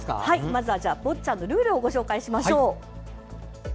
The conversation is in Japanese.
まずはボッチャのルールをご紹介しましょう。